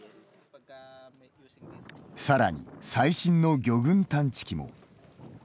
さらに、最新の魚群探知機も。